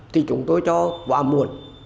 thì chúng tôi cho quá muộn